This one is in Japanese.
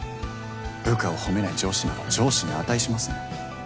部下を褒めない上司など上司に値しません。